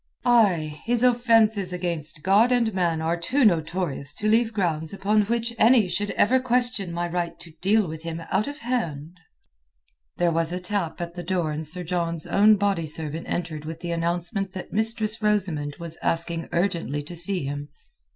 "Ay! His offenses against God and man are too notorious to leave grounds upon which any should ever question my right to deal with him out of hand." There was a tap at the door and Sir John's own body servant entered with the announcement that Mistress Rosamund was asking urgently to see him.